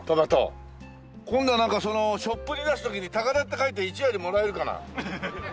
今度なんかそのショップに出す時に高田って書いて１割もらえるかな。